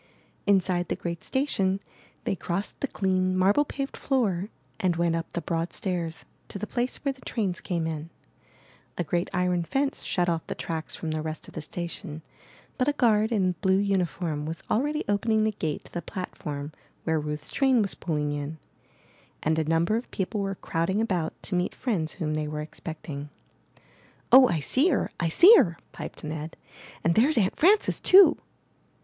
Inside the great station, they crossed the clean, marble paved floor and went up the broad stairs to the place where the trains came in. A great iron fence shut off the tracks from the rest of the station, but a guard in blue uniform was already opening the gate to the platform where Ruth's train was pulling in, and a number of people were crowding about to meet friends whom they were expecting. 0h, I see her! I see her!'' piped Ned, *'and there's Aunt Frances too!"